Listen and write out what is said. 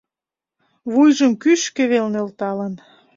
Вуйжым кӱшкӧ вел нӧлталын